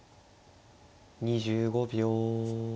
２５秒。